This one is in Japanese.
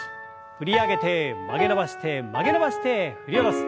振り上げて曲げ伸ばして曲げ伸ばして振り下ろす。